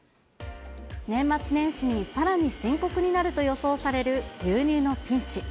年末年始にさらに深刻になると予想される牛乳のピンチ。